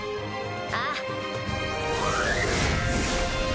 ああ。